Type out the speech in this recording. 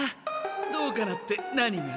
「どうかな？」って何が？